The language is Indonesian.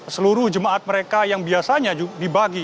seluruh jemaat mereka yang biasanya dibagi